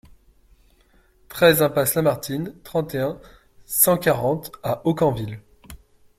treize iMPASSE LAMARTINE, trente et un, cent quarante à Aucamville